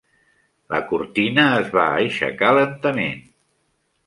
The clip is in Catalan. La cortina es va aixecar lentament.